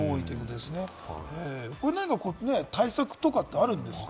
対策とかってあるんですか？